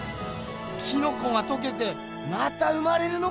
キノコがとけてまた生まれるのかぁ！